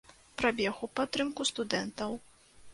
Прабег у падтрымку студэнтаў.